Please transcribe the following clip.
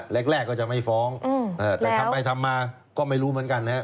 แรกก็จะไม่ฟ้องแต่ทำไปทำมาก็ไม่รู้เหมือนกันนะครับ